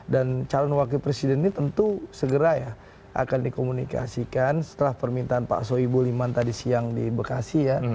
dan calon wakil presiden ini tentu segera ya akan dikomunikasikan setelah permintaan pak soebo limani tadi siang di bekasi ya